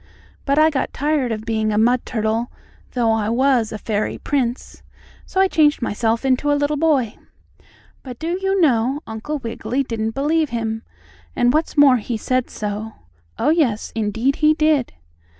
But I got tired of being a mud turtle, though I was a fairy prince, so I changed myself into a little boy." But, do you know, Uncle Wiggily didn't believe him, and, what's more, he said so. Oh, yes, indeed he did!